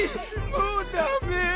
もうダメ。